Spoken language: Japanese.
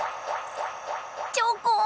チョコン！